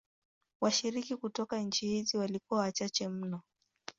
Washiriki kutoka nchi hizi walikuwa wachache mno.